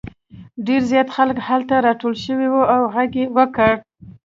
ډېر زیات خلک هلته راټول شوي وو او غږ یې وکړ.